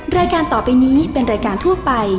รายการต่อไปนี้เป็นรายการทั่วไป